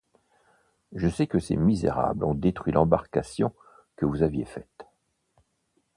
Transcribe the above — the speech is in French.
Je sais que ces misérables ont détruit l’embarcation que vous aviez faite. .